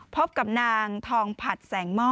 พบกับนางทองผัดแสงหม้อ